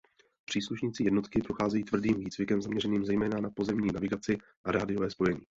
Příslušníci jednotky procházejí tvrdým výcvikem zaměřeným zejména na pozemní navigaci a radiové spojení.